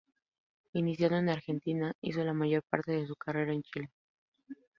Iniciado en Argentina, hizo la mayor parte de su carrera en Chile.